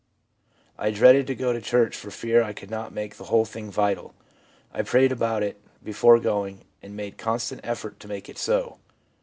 ' I dreaded to go to church for fear I could not make the whole thing vital. I prayed about it before going, and made constant effort to make it so.'